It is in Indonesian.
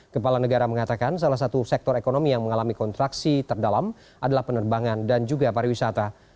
kepala negara mengatakan salah satu sektor ekonomi yang mengalami kontraksi terdalam adalah penerbangan dan juga pariwisata